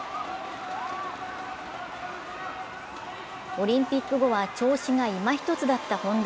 オリンピック後は調子がいまひとつだった本多。